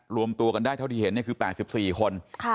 รวมตัวกันได้เท่าที่เห็นคือ๘๔คน